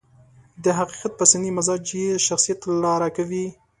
د حقيقت پسندي مزاج يې شخصيت ته لاره کوي.